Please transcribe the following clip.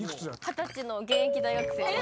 二十歳の現役大学生。